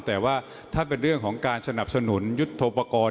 แต่ว่าถ้าเป็นเรื่องของการสนับสนุนยุทธโปรกรณ์